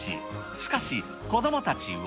しかし、子どもたちは。